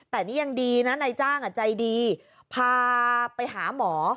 แต่นี่ยังดีนะนายจ้างใจดีพาไปหาหมอ